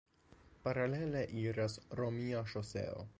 Paralele iras romia ŝoseo.